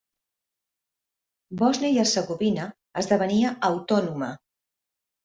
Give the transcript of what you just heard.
Bòsnia i Hercegovina esdevenia autònoma.